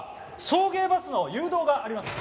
送迎バスの誘導がありますので。